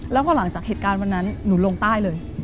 แล้วพอหลังจากเหตุการณ์วันนั้นหนูลงใต้เลย